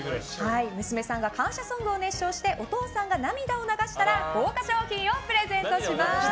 娘さんが感謝ソングを熱唱してお父さんが涙を流したら豪華賞品をプレゼントします。